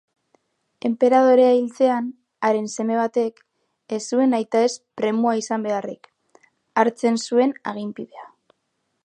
Enperadorea hiltzean, haren seme batek, ez zuen nahitaez premua izan beharrik, hartzen zuen aginpidea